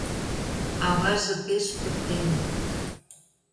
Аваже пеш пытен.